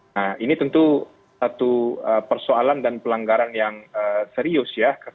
nah ini tentu satu persoalan dan pelanggaran yang serius ya